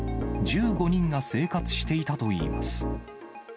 １５人が生活していたといいます。